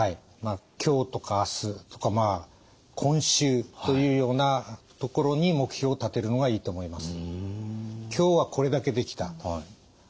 今日とか明日とかまあ今週というようなところに目標を立てるのがいいと思います。